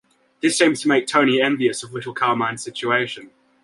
This seems to make Tony envious of Little Carmine's situation.